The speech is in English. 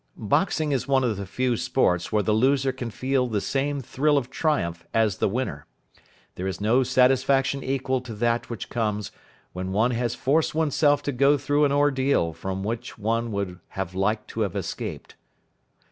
Boxing is one of the few sports where the loser can feel the same thrill of triumph as the winner. There is no satisfaction equal to that which comes when one has forced oneself to go through an ordeal from which one would have liked to have escaped.